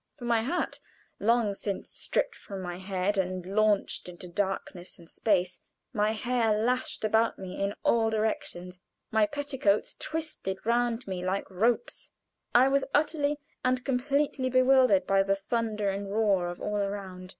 With my hat long since stripped from my head and launched into darkness and space, my hair lashed about me in all directions, my petticoats twisted round me like ropes, I was utterly and completely bewildered by the thunder and roar of all around.